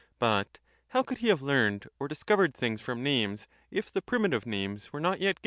But how could he have learned or discovered things from names if the primitive names were not yet given?